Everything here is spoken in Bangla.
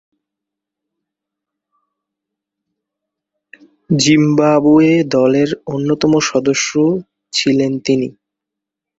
জিম্বাবুয়ে দলের অন্যতম সদস্য ছিলেন তিনি।